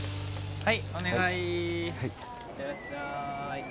はい。